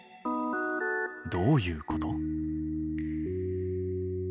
どういうこと？